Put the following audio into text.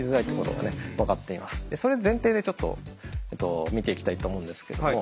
それ前提でちょっと見ていきたいと思うんですけども。